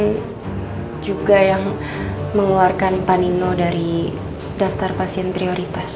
pak irfan juga yang mengeluarkan pak nino dari daftar pasien prioritas